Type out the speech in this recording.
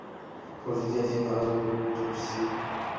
同时他接替谭耀宗出任安老事务委员会主席。